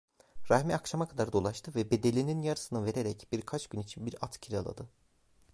Rahmi akşama kadar dolaştı ve bedelinin yarısını vererek birkaç gün için bir at kiraladı…